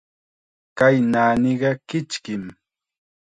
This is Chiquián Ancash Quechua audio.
Kay naaniqa kichkim.